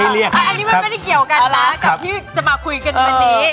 อันนี้มันไม่ได้เกี่ยวกันนะกับที่จะมาคุยกันวันนี้